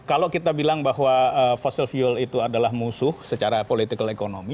kalau kita bilang bahwa fossil fuel itu adalah musuh secara political economy